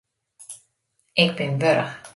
Ik bin wurch.